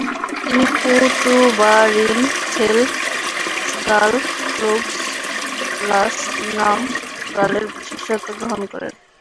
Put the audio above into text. তিনি পো-তো-বা-রিন-ছেন-গ্সাল-ফ্যোগ্স-লাস-র্নাম-র্গ্যালের শিষ্যত্ব গ্রহণ করেন।